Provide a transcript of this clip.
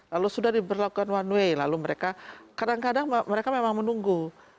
lalu sudah diberlakukan one way lalu mereka kadang kadang mereka memang menunggu